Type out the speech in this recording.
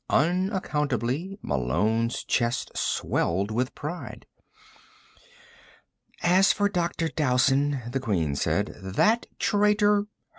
Unaccountably, Malone's chest swelled with pride. "As for Dr. Dowson," the Queen said, "that traitor